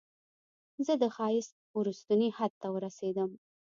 زه د ښایست وروستني حد ته ورسیدم